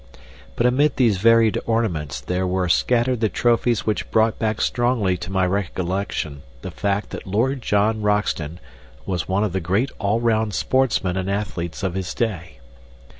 But amid these varied ornaments there were scattered the trophies which brought back strongly to my recollection the fact that Lord John Roxton was one of the great all round sportsmen and athletes of his day.